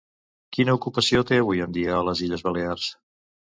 Quina ocupació té avui en dia a les Illes Balears?